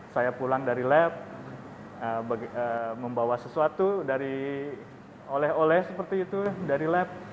saya pulang dari lab membawa sesuatu oleh oleh seperti itu dari lab